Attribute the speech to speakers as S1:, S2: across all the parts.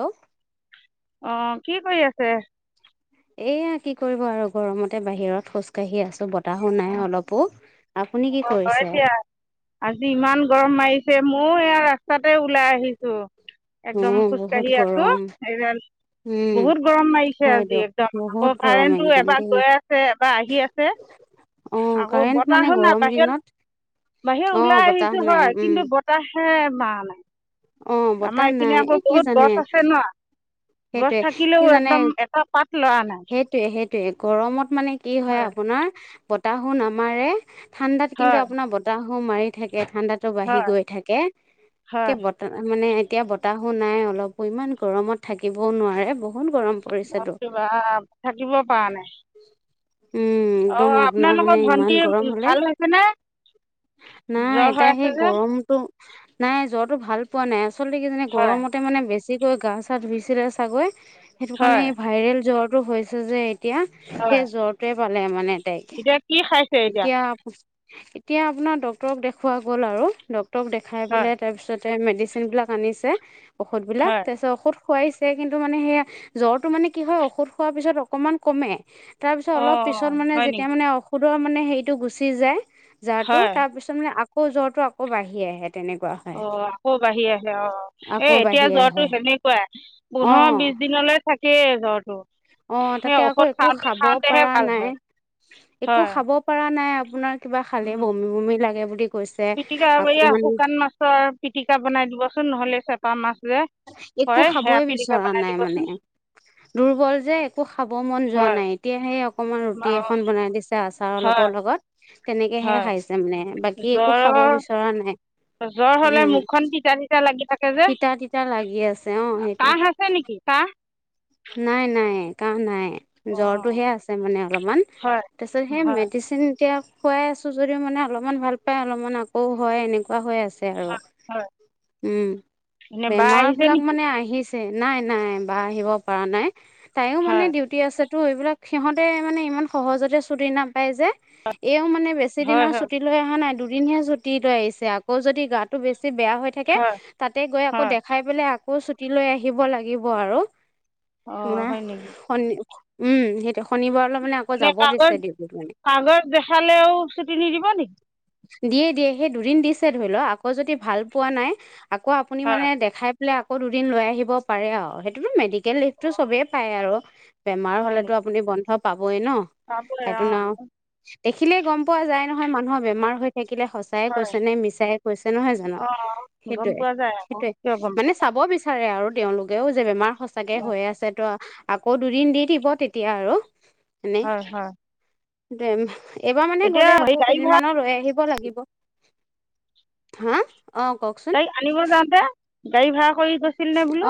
S1: Hello
S2: অ কি কৰি আছে?
S1: এয়া কি কৰিব আৰু গৰমতে বাহিৰত খোজকাঢ়ি আছো বত তাহু নাই অলপো আপুনি কি
S2: অ হয়
S1: কৰিছে?
S2: দিয়া আজি ইমান গৰম মাৰিছে ময়ো এয়া ৰাস্তাতে ওলাই আহিছো।
S1: উ
S2: একদম
S1: বহুত
S2: খোজকাঢ়ি আছো
S1: গৰম
S2: এইডাল
S1: উম
S2: বহুত গৰম মাৰিছে
S1: হয়
S2: আজি
S1: দিয়ক
S2: একদম
S1: বহুত
S2: আকৌ
S1: গৰম
S2: কাৰেণ্টটো
S1: একদম
S2: এবাৰ
S1: দেই
S2: গৈ আছে এবাৰ আহি আছে
S1: অ
S2: আকৌ
S1: কাৰেণ্ট মানে
S2: বতাহ শু নাই
S1: গৰম দিনত
S2: বাহিৰত বাহিৰত
S1: অ
S2: ওলাই
S1: বতাহ
S2: আহিছো
S1: নাই
S2: হয়
S1: উম
S2: কিন্তু বতাহ হে মাৰা নাই
S1: অ
S2: আমাৰ
S1: বতাহ
S2: এইপিনে
S1: নাই
S2: আকৌ
S1: এই কি
S2: বহুত গছ
S1: জানে
S2: আছে ন গছ
S1: সেইটোৱে কি
S2: থাকিলেও
S1: জানে
S2: একদম এটা পাত লৰা নাই
S1: সেইটোৱে সেইটোৱে গৰমত মানে কি হয় আপোনাৰ বতাহো নামাৰে ঠাণ্ডাত কিন্তু
S2: হয়
S1: আপোনাৰ বতাহো মাৰি থাকে এ ঠাণ্ডাতো বাঢ়ি
S2: হয়
S1: গৈ থাকে
S2: হয়
S1: বতৰ মানে এতিয়া বতাহো নাই অলপো ইমান গৰমত থাকিবও নোৱাৰে বহু
S2: বাপ যে বাপ থাকিব পৰা নাই
S1: উম
S2: অ
S1: একদম আপোনাৰ মানে
S2: আপোনালোকৰ
S1: ইমান
S2: ভন্টি
S1: গৰম হলে
S2: ভাল হৈছে নে
S1: নাই
S2: জ্বৰ হৈ
S1: টাই
S2: আছে
S1: সেই
S2: যে
S1: গৰমতটো নাই জ্বৰটো ভাল পোৱা নাই আচলতে কিজান
S2: হয়
S1: গৰমতে মানে বেছিকৈ গা চা ধুইছিলে চাগৈ সেইটো কাৰণে
S2: হয়
S1: এই ভাইৰেল জ্বৰটো হৈছে যে এতিয়া
S2: হয়
S1: সেই জ্বৰটোৱে পালে মানে তাইক
S2: এতিয়া কি খাইছে
S1: এতিয়া এতিয়া আপোনাৰ ডক্তৰক দেখুৱা গ'ল আৰু ডক্তৰক দেখাই
S2: হয়
S1: পেলাই তাৰপিছত মেডিচিন বিলাক আনিছে ঔষধ বিলাক
S2: হয়
S1: তাৰপিছত ঔষধ খোৱাইছে কিন্তু মানে সেয়া জ্বৰটো মানে কি হয় ঔষধ খোৱাৰ পিছত অকমান কমে তাৰপিছত অলপ
S2: অঁ
S1: পিছত মানে
S2: হয়
S1: যেতিয়া
S2: নেকি
S1: মানে ঔষধৰ মানে হেৰিটো গুচি যায় জাৰটো
S2: হয়
S1: তাৰপিছত মানে আকৌ জ্বৰ তটো আকৌ বাঢ়ি আহে তেনেকুৱা হয়
S2: অ আকৌ বাঢ়ি আহে অ এ
S1: আকৌ বাঢ়ি
S2: এতিয়া
S1: আহে
S2: জ্বৰটো সেনে তেনেকুৱাই
S1: অ
S2: পোন্ধৰ বিশ দিনলৈ থাকেই জ্বৰটো
S1: অ
S2: সেই
S1: তাতে আকৌ
S2: ঔষধ
S1: একো
S2: খাওঁতে
S1: খাব
S2: খাওঁতেহে
S1: পৰা
S2: ভাল
S1: নাই
S2: হয়
S1: একো
S2: হয়
S1: খাব পৰা নাই আপোনাৰ কিবা খালে
S2: উম,
S1: বমি বমি লাগে বুলি কৈছে
S2: পিটিকা আৰু
S1: আকৌ
S2: এয়া
S1: মানে
S2: শুকান মাছৰ পিটিকা বনাই দিবচোন নহলে চেপা মাছ যে
S1: একো
S2: হয় সেয়া
S1: খাবই
S2: পিটিকা
S1: বিচৰা
S2: বনাই
S1: নাই
S2: দিবচোন
S1: মানে দুৰ্বল যে একো খাব মন যোৱা
S2: হয়
S1: নাই এতিয়াহে অকমান ৰুটি
S2: হয়
S1: এখন বনাই দিছে আচাৰৰ
S2: হয়
S1: অলপত লগত তেনেকেহে
S2: হয়
S1: খাইছে মানে বাকী একো খাব
S2: জ্বৰৰ
S1: বিচৰা নাই
S2: জ্বৰ হলে
S1: উম
S2: মুখখন তিতা তিতা লাগি থাকে যে
S1: এতিয়া লাগি আছে অ সেইটোৱে
S2: কাহ আছে নেকি কাহ
S1: নাই নাই কাঁহ নাই
S2: অঁ
S1: জ্বৰটোহে আছে মানে অলপমান
S2: হয়
S1: তাৰপিছত সেই
S2: হয়
S1: মেডিচিন এতিয়া খুৱাই আছো যদিও মানে অলপমান ভাল পাই অলপমান আকৌ হয় এনেকুৱা এনেকুৱা হৈ আছে আৰু
S2: হয়
S1: উম
S2: এনে বা
S1: বেমাৰ
S2: আহিছে
S1: বিলাক
S2: নেকি
S1: মানে আহিছে নাই নাই বা আহিব পৰা নাই তাইও মানে
S2: হয়
S1: ডউটি আছে তো বিলাক সিহঁতে মানে ইমান সহজতে চুটি নাপায় যে এও মানে মানে বেছি
S2: হয়
S1: দিনৰ
S2: হয়
S1: ছুটি লৈ অহা নাই দুদিনহে ছুটি লৈ আহিছে আকৌ যদি গাটো বেছি বেয়া হৈ থাকে
S2: হয়
S1: তাতে গৈ আকৌ
S2: হয়
S1: দেখাই পেলাই আকৌ ছুটি লৈ আহিব লাগিব আৰু
S2: অঁ
S1: নোৱাই
S2: হয় নেকি
S1: স উম সেইটো শনিবাৰলৈ মানে আকৌ
S2: এনে
S1: যাব দিছে
S2: কাগজ
S1: দেউতি মানে
S2: কাগজ দেখালেও চুটি নিদিব নেকি
S1: দিয়ে দিয়ে সেই দুদিন দিছে ধৰি লও আকৌ যদি ভাল পোৱা নাই আকৌ আপুনি
S2: হয়
S1: মানে দেখাই বোলে আকৌ দুদিন লৈ আহিব পাৰে আৰু সেইটোতো মেডিকেল লিভটো চবেই পায় আৰু বেমাৰ
S2: হয়
S1: হলেতো
S2: নেকি
S1: আপুনি বন্ধ পাবয়ে ন
S2: পাবই
S1: সেইতো ন
S2: অঁ
S1: দেখিলে গম পোৱা যায় নহয় মানুহৰ বেমাৰ সৈ দেখিলেই সঁচাই
S2: হয়
S1: কৈছে নে মিছাইে কৈছে নহয় জানো
S2: অঁ গম
S1: সেইটোয়ে
S2: পোৱা যায় আকৌ
S1: সেইটোয়ে
S2: কিয় গম
S1: মানে
S2: পোৱা
S1: চাব বিচাৰে আৰু তেওঁলোকেও যে বেমাৰ সঁচাকে
S2: অঁ
S1: হৈ আছে তো আকৌ দুদিন দি দিব তেতিয়া আৰু
S2: হয় হয়
S1: দেম এইবাৰ মানে
S2: এতিয়া
S1: গ'লে
S2: হেৰি
S1: আকৌ
S2: গাড়ী ভাড়া
S1: কেইদিনমানাৰ লৈ আহি নিব লাগিব হো
S2: তাইক আনিব যাওঁতে গাড়ী ভাড়া কৰি গৈছিল নে বোলো
S1: অ,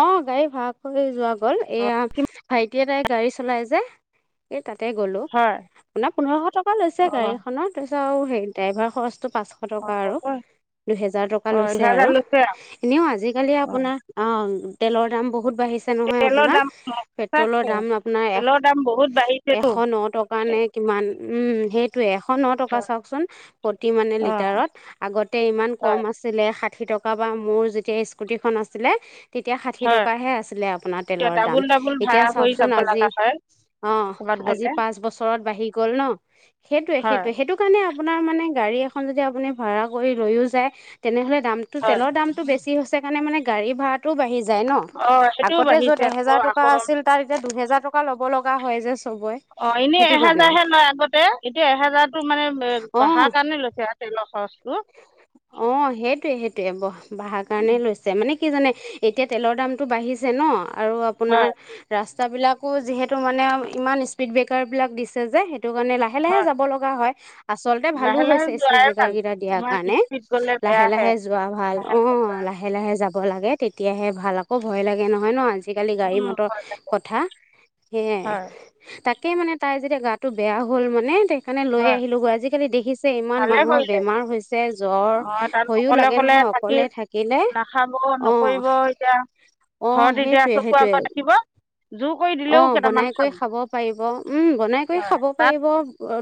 S1: অ, গাড়ী ভাড়া কৰি যোৱা গ'ল এয়া
S2: কিম-
S1: ভাইটি [unintelligible] তাই গাড়ী চলাই যে এই তাতে গ'লো
S2: হয়
S1: আপোনাৰ পোন্ধৰশ টকা লৈছে
S2: অঁ
S1: গাড়ীখনৰ তাৰ পিছত আৰু হে ড্ৰাইভাৰ খৰচ [unintelligible] পাঁচশ
S2: অঁ
S1: টকা আৰু
S2: ল'ব
S1: দুহেজাৰ টকা
S2: হয়
S1: লৈছে
S2: দুহেজাৰ
S1: আৰু।
S2: লৈছে আৰু
S1: এনেও আজিকালি
S2: অঁ
S1: আপোনাৰ তেলৰ দাম বহুত বাঢ়িছে নহয়
S2: তেলৰ
S1: আপোনাৰ,
S2: দাম
S1: পেট্ৰলৰ
S2: সঁচাকৈ
S1: দাম। আপোনাৰ এ
S2: তেলৰ দাম বহুত বাঢ়িছেতো
S1: এশ ন টকা নে কিমান উম সেইটোে এ। [unintelligible]
S2: হয়,
S1: চাওকচোন প্ৰতি মানে
S2: অ',
S1: লিটাৰত আগতে ইমান কম
S2: হয়,
S1: আছিলে হাতখ [unintelligible] ষাঠি টকা বা মোৰ যেতিয়া স্কুটিখন আছিলে। তেতিয়া ষাঠি
S2: হয়,
S1: টকাহে আছিলে আপোনাৰ
S2: এতিয়া
S1: তেলৰ দাম
S2: ডাবুল ডাবুল
S1: এতিয়া
S2: ভাড়া কৰি
S1: চাওকচোন
S2: যাব
S1: আজি।
S2: লগা হয়
S1: অ
S2: ক'ৰবাত
S1: আজি
S2: গ'লে
S1: পাঁচ বছৰত বাঢ়ি গ'ল ন সেইটোয়ে
S2: হয়,
S1: সেইটোয়ে সেইটো কাৰণে। আপোনাৰ মানে গাড়ী এখন যদি আপুনি ভাড়া কৰি লৈয়ও যায় তেনেহলে দামতো
S2: হয়,
S1: তেলৰ দামতটো বেছি। হৈছে কাৰণে গা়ড়ী ভাডাও বাঢ়ি যায়। [unintelligible] যায় ন
S2: অ', সেইটোও
S1: আগতে যত
S2: বাঢ়িছে আকৌ
S1: এহেজাৰ টকা
S2: আকৌ
S1: আছিল তাত এতিয়া দুহেজাৰ টকা ল'ব লগা হয় যে [unintelligible]
S2: অ এনেই
S1: সেইটো কাৰণে
S2: এহেজাৰহে লয় আগতে এতিয়া এহেজাৰতো মানে বঢ়াৰ কাৰণে লৈছে আৰু তেলৰ খৰচ। [unintelligible]
S1: অ সেইটোয়ে, সেইটোয়ে বাহাৰ কাৰণে
S2: উম,
S1: লৈছে মানে [unintelligible] কি জানে? এতিয়া তেলৰ দামটো বাঢ়িছে ন এতিয়া
S2: হয়,
S1: ৰাস্তা বিলাকো যিহেতু মানে ইমান স্পীড ব্ৰেকাৰবিলাক দিছে যে সেইটো কাৰণে লাহে লাহে
S2: হয়,
S1: যাব লগা হয়। [unintelligible] আচলতে ভালো
S2: লাহে লাহে
S1: হৈছে স্পীড
S2: যোৱাই
S1: ব্ৰেকাৰ
S2: ভাল
S1: কেইটা দিয়া। [unintelligible]
S2: ইমান
S1: কাৰণে
S2: স্পীড গ'লে
S1: লাহে
S2: বেয়াহে
S1: লাহে যোৱা ভাল
S2: লাহে
S1: অ
S2: লাহে
S1: লাহে লাহে যাব। লাগে তেতিয়াহে ভাল আকৌ ভয় লাগে নহয় ন আজি। আজিকালি গাড়ী
S2: উম,
S1: মটৰ
S2: হয়,
S1: কথা সেয়ে,
S2: হয়,
S1: তাক তাকে মানে তাই যেতিয়া গাটো বেয়া হল মানে সেইকাৰণে লৈ
S2: হয়,
S1: আহিলো গৈ আজিকালি দেখি যে ইমান
S2: ভালে
S1: মানুহৰ
S2: কৰিলে
S1: বেমাৰ হৈছে। জ্বৰ
S2: অ', তাত
S1: ভয়ো
S2: অকলে
S1: লাগে নহয়
S2: থাকি
S1: অকলে থাকিলে
S2: নাখাব
S1: অ
S2: নকৰিব এতিয়া
S1: অ
S2: ঘৰত এতিয়া
S1: সেইটোৱে
S2: চকুৰ
S1: সেইটোৱে।
S2: আগত ৰাখিব জোৰ কৰি
S1: অ
S2: দিলেও কেইটামান
S1: বনাই কৰি খাব পাৰিব উম বনাই কৰি খাব পাৰিব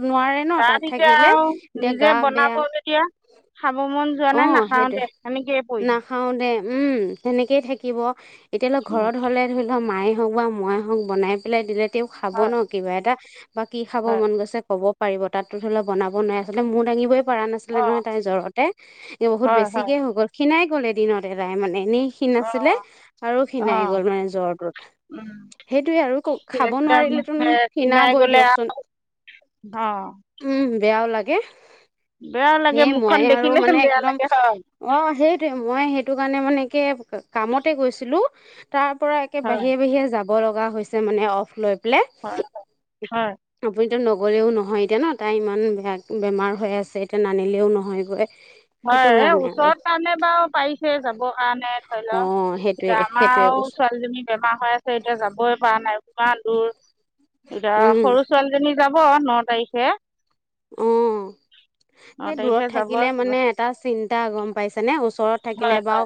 S1: নোৱাৰে ন
S2: তাৰ
S1: তাত
S2: পিছে
S1: থাকিলে
S2: আউ
S1: এতিয়া
S2: নিজে
S1: গা বেয়া
S2: বনাব যেতিয়া খাব মন যোৱা
S1: অ
S2: নাই,
S1: সেইটোৱে
S2: নাখাওতে এনেকয়ে পৰিম
S1: নাখাওঁ
S2: [unintelligible]
S1: উম তেনে থাকিব এতিয়া ঘৰত গলে হ [unintelligible] মায়ে হওক বা মইয়ে হওক বনাই পেলাই দিলে তেওঁ খাব ন
S2: হয়
S1: কিবা এটা [unintelligible] বা কি খাব
S2: হয়
S1: মন গৈছে ক'ব পাৰিব তাতো ধৰি লও বনাব নোৱাৰাৰে। মোৰ দাঙিবই পৰা নাছিলে
S2: অঁ
S1: নহয়। [unintelligible] জৰতে বহুত
S2: হয় হয়
S1: বেছিকে হৈ গ'ল খিনাই গ'ল এদিনত তাই মানে [unintelligible] এনেই খীণ আছিলে
S2: অঁ
S1: আৰু খীণাই
S2: অঁ
S1: গ'ল মানে জ্বৰটোত [unintelligible] সেইটোৱে আৰু
S2: সেই
S1: খাব
S2: একদম
S1: নোৱাৰিলেতো খিনাবই দিয়কচোন
S2: অ।
S1: উম বেয়াও লাগে। সেয়ে
S2: মুখখন
S1: মই আৰু
S2: দেখিলে
S1: মানে
S2: বেয়া
S1: একদম
S2: লাগে হয়
S1: অ সেইটো মই সেইটো কাৰণে মানে কে কামতে গৈছিলো তাৰ পৰা একে
S2: হয়
S1: বাহিৰে বাহিৰে যাব যাব লগা হৈছে মানে অফ লৈ পেলাই।
S2: হয় হয়
S1: এতিয়া নগ'লেও নহয় এতিয়া ন তাই ইমান বেয়া বেমাৰ হৈ আছে এতিয়া নানিলেও নহয়গৈ। সেইটো
S2: হয় এ
S1: কাৰণে আৰু
S2: ওচৰত কাৰণে বাৰু পাৰিছে যাবৰ কাৰণে ধৰি
S1: অ
S2: লও।
S1: সেইটোৱে
S2: এতিয়া
S1: সেইটোৱে
S2: আমাৰও ছোৱালীজনী বেমাৰ হৈ আছে এতিয়া যাবই পৰা নাই। ইমান দূৰ এতিয়া
S1: উম
S2: সৰু ছোৱালীজনী যাব ন তাৰিখে।
S1: অ
S2: ন
S1: সেই দূৰত
S2: তাৰিখে
S1: থাকিলে
S2: যাব
S1: মানে এটা চিন্তা গম পাইছে নে ওচৰত।
S2: হয়
S1: থাকিলে বা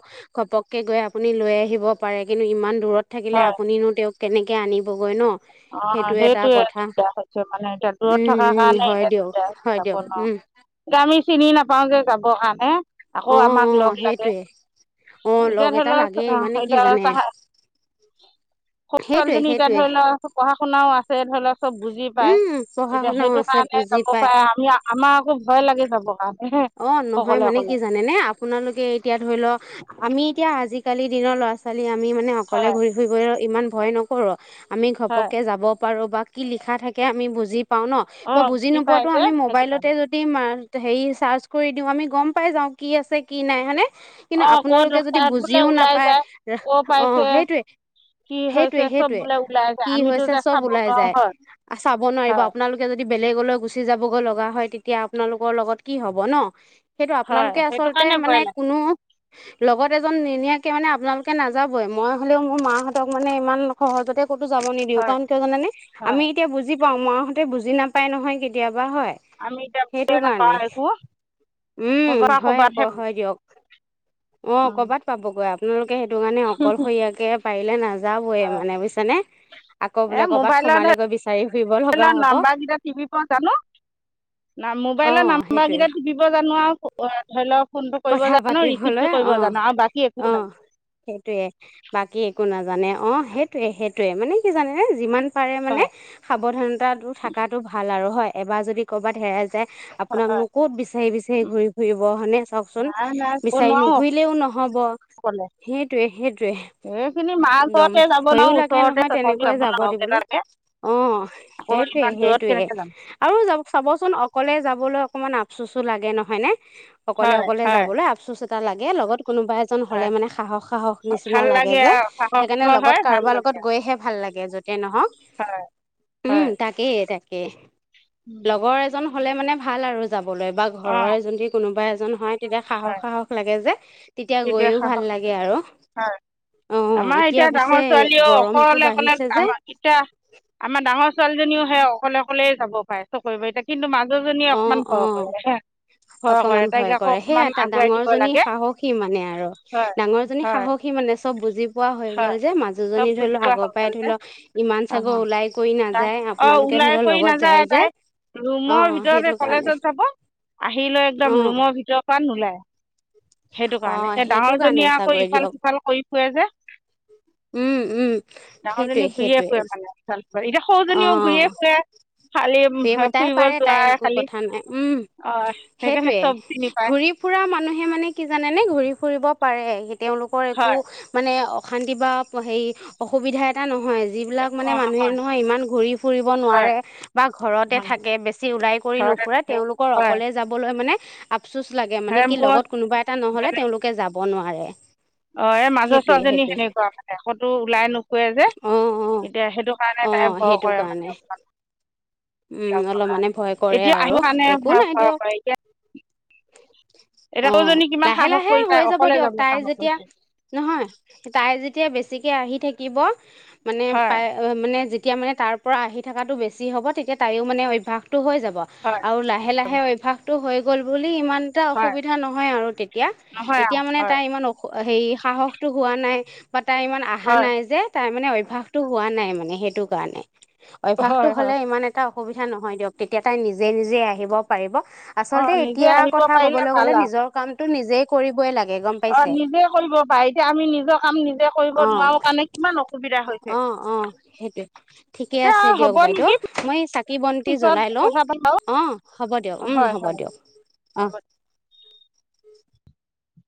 S1: ঘপককৈ গৈ আপুনি লৈ আহিব পাৰে, কিন্তু ইমান দূৰত থাকিলে আপুনো তেওঁক। কেনেকৈ আনিবগৈ ন।
S2: অ
S1: সেইটো এটা
S2: সেইটোয়ে
S1: কথা
S2: দিগদাৰ হৈছে মানে এতিয়া দূৰত
S1: উম
S2: থকাৰ
S1: উম
S2: কাৰণে
S1: হয়
S2: এতিয়া
S1: দিয়ক
S2: দিগদাৰ।
S1: হয়
S2: চাব
S1: দিয়ক
S2: ন,
S1: উম
S2: আমি চিনি নাপাওযে যাব কাৰণে আকৌ
S1: অ অ
S2: আমাক লগ লাগে
S1: সেইটোৱে অ
S2: এতিয়া
S1: লগ
S2: ধৰি
S1: এটা লাগেই
S2: লওক
S1: মানে
S2: আহ
S1: কি
S2: এয়া
S1: জানে
S2: চাহা
S1: [inaudible]
S2: ছোৱালীজনী এতিয়া
S1: সেইটোৱে
S2: ধৰি লওক পঢ়া শুনাও আছে ধৰি লওক চব বুজি পায়
S1: উম পঢ়া
S2: এতিয়া
S1: শুনাও
S2: সেইটো
S1: আছে
S2: কাৰণে
S1: বুজি
S2: যাব
S1: পায়
S2: পাৰে আমি আমাৰ আকৌ ভয় লাগে যাব কাৰণে [unintelligible]
S1: অ নহয়
S2: অকলে
S1: মানে
S2: অকলে
S1: কি জানে নে আপোনালোকে এতিয়া ধৰি লওক [unintelligible] আমি এতিয়া আজিকালি দিনৰ ল'ৰা ছোৱালী আমি মানে অকলে
S2: হয়
S1: ঘূৰি ফুৰিব ইমান ভয় নকৰো [unintelligible] আমি
S2: হয়
S1: ঘপককৈ যাব পাৰোঁ বা কি লিখা থাকে আমি বুজি [unintelligible] পাও ন
S2: অঁ
S1: বুজি নোপোৱা
S2: পাই
S1: টো
S2: যে
S1: আমি
S2: সেইটো কাৰণে
S1: মবাইলতে মা হেই চাচ [unintelligible] কৰি দিও আমি গম পাই যাওঁ কি আছে কি আছে কি নাই হইনে কিন্তু
S2: অঁ ক'ত
S1: আপোনালোকে যদি
S2: তাত বোলে
S1: বুজিও
S2: ওলাই
S1: নাপায়
S2: যায় ক'ৰ
S1: অ
S2: পাইছে
S1: সেইটোৱে
S2: কি
S1: [unintelligible]
S2: হৈছে
S1: সেইটোয়ে
S2: চব
S1: সেইটোয়ে
S2: বোলে ওলাই যায়
S1: কি
S2: আমিতো
S1: হৈছে
S2: যে
S1: চব
S2: চাব
S1: ওলাই
S2: নোৱাৰোঁ
S1: যায়
S2: হয়
S1: চাব নোৱাৰিব
S2: হয়,
S1: আপোনালোকে যদি বেলেগলৈ গুচি যাবগৈ লগা হয় তেতিয়া আপোনালোকৰ লগত কি হব ন সেইটো
S2: হয়,
S1: আপোনালোকে
S2: সেইটো
S1: আচলতে
S2: কাৰণে
S1: মানে
S2: ভয় লাগে।
S1: কোনো লগত এজন [unintelligible] ধুনীয়াকে মানে আপোনালোকে নাযাবই মই হ'লেও মোৰ মাহঁতক মানে ইমান সহজতে [unintelligible] তো যাব নিদিও
S2: হয়,
S1: কাৰণ কিয় জানে আমি
S2: হয়,
S1: এতিয়া বুজি পাও মাহতে বুজি নাপাই নহয় কেতিয়াবা [unintelligible] হয়
S2: আমি এতিয়া
S1: সেইটো
S2: বুজিয়ে নাপাওঁ
S1: কাৰণে
S2: একো, ক'ৰবাৰ
S1: উম
S2: পৰা
S1: হয়
S2: ক'ৰবাতহে
S1: আকৌ হয় দিয়ক [unintelligible] অ
S2: উম,
S1: কৰবাত পাবগৈ আপোনালোকে সেইটো কাৰণে অকলশৰীয়াকে পাৰিলে নাজান [unintelligible] যাবয়ে
S2: হয়।
S1: মানে বুজিছা নে [unintelligible]
S2: এ মোবাইলৰ
S1: লগা
S2: মোবাইলৰ
S1: হ'ব
S2: নাম্বাৰ কেইটা তিপিব জানো [unintelligible] ন
S1: অ
S2: মোবাইলৰ নাম্বাৰ
S1: সেইটোৱে
S2: কেইটা টিপিব জানো আৰু ধৰি লওক ফোনটো কৰিব
S1: কথা
S2: জানো, ৰিচিভটো
S1: পাতিবলৈ
S2: কৰিব
S1: অ
S2: জানো আৰু বাকী একো
S1: অ
S2: নাই।
S1: সেইটোয়ে বাকী একো নাজা [unintelligible] জানে অ সেইটোয়ে সেইটোয়ে মানে কি জানে নে যিমান পাৰে মানে
S2: হয়,
S1: সাৱধানতাটো থকাতটো ভাল আৰু হয় এবাৰ যদি ক'ৰবাত হেৰাই যায় [unintelligible] আপোনাকনো ক'ত বিচাৰি বিচাৰি ঘুৰি ফুৰিব হানে [unintelligible] কচোন
S2: নাই নাই যাব
S1: বিচাৰি
S2: নোৱাৰো
S1: নুঘুৰিলেও নহব
S2: অকলে।
S1: সেইটোয়ে সেই
S2: এইখিনি
S1: [unintelligible]
S2: মাৰ
S1: একদম
S2: ঘৰতে যাব
S1: ভয়ো
S2: নোৱাৰো,
S1: লাগে
S2: ওচৰতে
S1: নহয়
S2: তথাপি
S1: তেনেকৈয়ে যাব
S2: নোৱাৰো লগ এটা
S1: দিবলৈ
S2: লাগে,
S1: [unintelligible] অ
S2: আকৌ
S1: সেইটয়ে
S2: ইমান দূৰত
S1: সেইটোয়ে
S2: কেনেকে যাম।
S1: আৰু য চাবচোন অকলে যাবলৈ [unintelligible] অকণমান আফচুচো লাগে নহয় নে অকলে
S2: হয়,
S1: অকলে
S2: হয়,
S1: যাবলৈ আফচুচ এটা লাগে লগত [unintelligible] কোনোবা এজন হলে
S2: হয়,
S1: মানে সাহস সাহস নিচিনা
S2: ভাল
S1: লাগে যে
S2: আৰু সাহস
S1: সেইকাৰণে লগত
S2: হয়, ভাল
S1: কাৰোবাৰ লগত
S2: লাগে।
S1: গৈহে ভাল লাগে [unintelligible] ত যতে নহওক
S2: হয়,
S1: উম
S2: হয়,
S1: তাকেই তাকেই
S2: উম,
S1: লগৰ এজন হ'লে মানে ভাল আৰু যাবলৈ বা
S2: অ',
S1: ঘৰৰ যদি কোনোবা এজন হয় তেতিয়া
S2: হয়।
S1: সাহস সাহস লাগে যে তেতিয়া
S2: এতিয়া
S1: গৈও ভাল
S2: সাহস
S1: লাগে আৰু
S2: নাই
S1: [unintelligible]
S2: আমাৰ এতিয়া ডাঙৰ ছোৱালীও
S1: গৰমটো
S2: অকলে অকলে
S1: বাঢ়িছে যে
S2: আ কিত [unintelligible] আমাৰ ডাঙৰ ছোৱালীজনীও সেই অকলে অকলে যাব পাৰে চকৰি বাৰতিয়া কিন্তু মাজ [unintelligible] জনীয়ে
S1: অ
S2: অকমান ভয়
S1: অ
S2: কৰে ভয়
S1: অকমান
S2: কৰে তাইআকো অকমান আগুৱাই দিব লাগে [unintelligible]
S1: সি মানে আৰু
S2: হয়
S1: ডাঙৰ জনী
S2: হয়
S1: সাহসী মানে চব বুজি। [unintelligible] কোৱা হৈ গ'ল
S2: হয়
S1: যে
S2: চব
S1: মাজুজনী ধৰি
S2: বুজি
S1: লওক
S2: পোৱা
S1: আগৰ
S2: হৈ
S1: পৰাই
S2: গ'ল
S1: ধৰি
S2: যে
S1: লওক ইমান
S2: অঁ
S1: চাগৰ ওলাই কৰি
S2: তাই
S1: নাযায়
S2: অঁ
S1: আপোনালোকে। [unintelligible]
S2: ওলাই কৰি
S1: যায়
S2: নাযায়
S1: যে
S2: তাই
S1: অ
S2: ৰুমৰ ভিতৰত।
S1: সেইটো
S2: [unintelligible]
S1: কাৰণে
S2: কলেজত যাব আহিলৈ
S1: অ
S2: একদম ৰুমৰ ভিতৰৰ পৰা নোলায়। [unintelligible] সেইটো
S1: অ
S2: কাৰণে এ
S1: সেইটো
S2: ডাঙৰ
S1: কাৰণে
S2: জনীয়ে আকৌ
S1: চাগৈ
S2: ইফাল
S1: দিয়ক
S2: সিফাল কৰি ফুৱে যে। [unintelligible]
S1: [inaudible] উম সেইটোৱে
S2: ডাঙৰজনী ঘূৰিয়ে
S1: সেইটোৱে
S2: ফুৰে মানে এতিয়া সৰুজনীও ঘূৰিয়ে ফুৰে। [unintelligible] খালী।
S1: সিহতে পাৰে তাই একো কথা নাই উম। [unintelligible]
S2: অঁ সেইকাৰণে
S1: সেইটোয়ে
S2: চব চিনি পায়
S1: ঘূৰি ফুৰা মানুহে মানে কি জানে নে ঘূৰি ফুৰিব। [unintelligible] তেওঁলোকৰ একো
S2: হয়
S1: মানে অশান্তি বা হেই অসুবিধা এটা নহয়। [unintelligible] যিবিলাক মানে
S2: অঁ
S1: মানুহে
S2: হয়
S1: নহয় ইমান ঘূৰি ফুৰিব
S2: হয়
S1: নোৱাৰে। বা ঘৰতে
S2: হয়
S1: থাকে বেছি ওলাই কৰি
S2: ঘৰতে
S1: নুফুৰে
S2: থাকে
S1: তেওঁলোকৰ
S2: হয়
S1: অকলে যাবলৈ মানে। [unintelligible] আফচুচ লাগে মানে
S2: এই
S1: কি
S2: মোৰ
S1: লগত কোনোবা এটা নহলে তেওঁলোকে যাব নোৱাৰে। [unintelligible]
S2: অ এই মাজৰ
S1: সেইটোৱে
S2: ছোৱালীজনী
S1: সেইটোৱে
S2: সেনেকুৱা মানে কতো ওলাই নোফুৱে যে। [unintelligible]
S1: অ অ
S2: এতিয়া সেইটো কাৰণে
S1: অ
S2: তাই ভয়
S1: সেইটো
S2: কৰে
S1: কাৰণে
S2: মানে অলমান।
S1: উম অলপ মানে ভয়
S2: কাৰ
S1: কৰে
S2: এতিয়া
S1: আৰু
S2: আহি আনেৰ
S1: একো
S2: ঘৰা
S1: নাই
S2: ফুৰা
S1: দিয়ক
S2: কৰে এতিয়া। [inaudible]
S1: অ,
S2: এতিয়া সৰুজনী কিমান
S1: লাহে
S2: সাহস
S1: লাহে
S2: কৰি তাই
S1: হৈ যাব
S2: অকলে
S1: দিয়ক তাই
S2: সাহস
S1: যেতিয়া
S2: কৰিছে
S1: নহয়, তাই যেতিয়া বেছি বেছিকে আহি থাকিব মানে পাই
S2: হয়
S1: মানে যেতিয়া মানে তাৰ পৰা আহি থকাটো বেছি বেছি হ'ব তেতিয়া তাইয়ো মানে অভ্যাসটো হৈ যাব।
S2: হয়
S1: আৰু লাহে লাহে অভ্যাসটো হৈ গল বুল ইমান এটা
S2: হয়
S1: অসুবিধা নহয় আৰু তেতিয়া,
S2: নহয় আৰু
S1: এতিয়া মানে
S2: হয়
S1: তাৰ ইমান অসু হেৰি সাহসটো হোৱা নাই বা তাই ইমান আহা
S2: হয়
S1: নাই যে তাই মানে অভ্যাসটো হোৱা নাই মানে সেইটো কাৰণে, অভ্যাসটো
S2: হয়
S1: হ'লে
S2: হয়
S1: ইমান এটা অ অসুবিধা নহয় দিয়ক তেতিয়া তাই নিজে নিজেই আহিব পাৰিব।
S2: অঁ
S1: আচলতে
S2: নিজে
S1: এতিয়া
S2: আহিব
S1: কথা
S2: পাৰিলে
S1: কবলৈ
S2: ভাল
S1: গলে
S2: আৰু
S1: নিজৰ কামটো নিজেই কৰিবই লাগ
S2: অ নিজে কৰিব বা এতিয়া আমি নিজৰ কাম নিজে কৰিব
S1: অ
S2: নোৱাৰো কাৰণে কিমান অসুবিধা হৈছে।
S1: অ অ সেইটোৱে, ঠিকে
S2: এতিয়া
S1: আছে দিয়ক।
S2: হ'ব
S1: বাইদেউ
S2: নেকি
S1: মই চাকি বন্তি
S2: পিছত
S1: জলাই লওঁ,
S2: কথা পাতিম
S1: অ হ'ব দিয়ক
S2: বাৰু
S1: উম
S2: হয়
S1: হ'ব
S2: হয়
S1: দিয়ক। অ
S2: হব।
S1: [unintelligible]